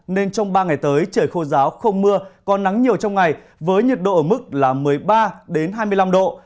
nên trong ba ngày tới trời khô giáo không mưa còn nắng nhiều trong ngày với nhiệt độ ở mức là một mươi ba hai mươi năm độ